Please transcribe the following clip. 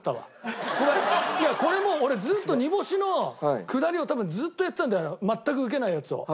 いやこれも俺ずっと煮干しのくだりを多分ずっとやってたんだよ全くウケないやつを。